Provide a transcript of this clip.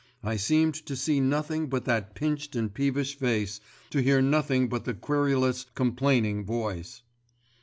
I seemed to see nothing but that pinched and peevish face, to hear nothing but the querulous, complaining voice.